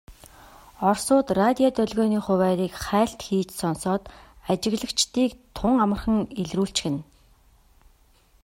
Оросууд радио долгионы хуваарийг хайлт хийж сонсоод ажиглагчдыг тун амархан илрүүлчихнэ.